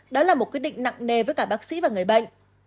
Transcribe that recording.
đó là một quyết định nặng nề với cả bác sĩ và người bệnh